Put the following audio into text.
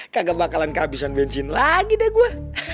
kagak bakalan kehabisan bensin lagi deh gue